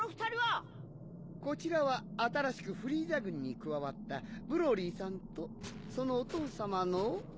こちらは新しくフリーザ軍に加わったブロリーさんとそのお父さまの。